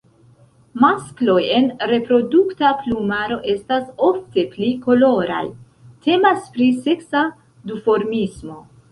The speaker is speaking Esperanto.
Maskloj en reprodukta plumaro estas ofte pli koloraj; temas pri seksa duformismo.